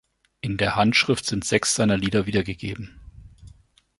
In der Handschrift sind sechs seiner Lieder wiedergegeben.